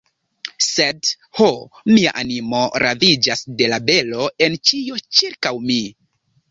Sed, ho, mia animo raviĝas de la belo en ĉio ĉirkaŭ mi.